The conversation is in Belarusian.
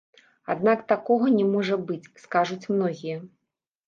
Аднак такога не можа быць, скажуць многія.